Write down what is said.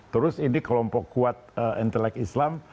terus ini kelompok kuat intelek islam